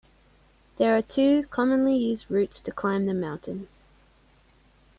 There are two commonly used routes to climb the mountain.